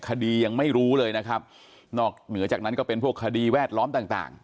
ยังไม่รู้เลยนะครับนอกเหนือจากนั้นก็เป็นพวกคดีแวดล้อมต่างต่าง